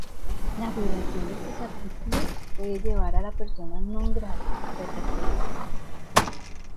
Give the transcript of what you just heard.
La violación de estos artículos puede llevar a la "persona non grata" ser "castigada".